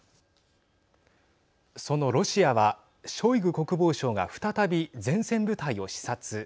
そのロシアはショイグ国防相が再び前線部隊を視察。